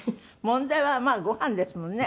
問題はまあごはんですもんね。